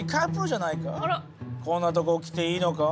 こんなとこ来ていいのか？